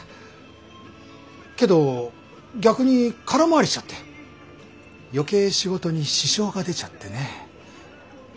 けど逆に空回りしちゃって余計仕事に支障が出ちゃってね。